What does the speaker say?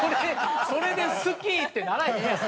それで好きってならへんやろ。